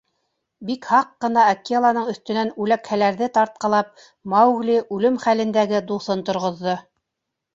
Бик һаҡ ҡына Акеланың өҫтөнән үләкһәләрҙе тартҡылап, Маугли үлем хәлендәге дуҫын торғоҙҙо.